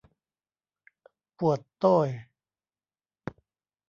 ปวดโต้ย !